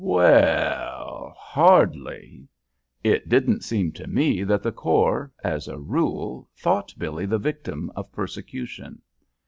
"W e ll, har d ly. It didn't seem to me that the corps, as a rule, thought Billy the victim of persecution."